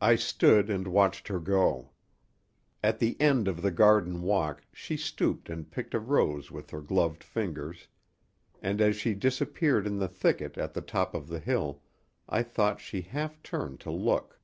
I stood and watched her go. At the end of the garden walk she stooped and picked a rose with her gloved fingers, and as she disappeared in the thicket at the top of the hill I thought she half turned to look.